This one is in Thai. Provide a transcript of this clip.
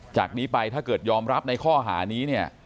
จากนี้ไปถ้าเกิดยอมรับในข้อหานี้เนี่ย